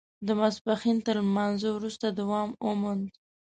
د ماسپښین تر لمانځه وروسته دوام وموند.